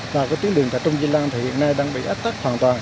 và có tuyến đường tại trung diên lan thì hiện nay đang bị ách tắc hoàn toàn